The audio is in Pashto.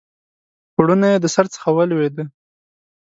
پوړنی یې د سر څخه ولوېدی